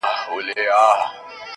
چي ما له مانه ورک کړي داسې عجيبه کارونه